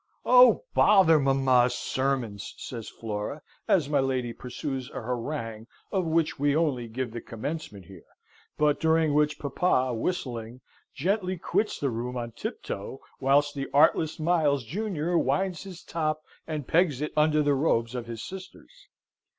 "Oh, bother mamma's sermons!" says Flora, as my lady pursues a harangue of which we only give the commencement here, but during which papa, whistling, gently quits the room on tiptoe, whilst the artless Miles junior winds his top and pegs it under the robes of his sisters.